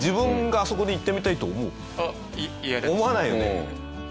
思わないよね。